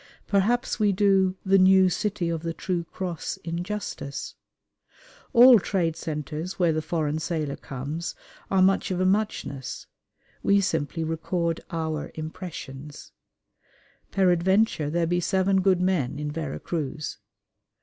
Perhaps we do "the New City of the True Cross" injustice. All trade centres where the foreign sailor comes are much of a muchness. We simply record our impressions. "Peradventure there be seven good men in Vera Cruz."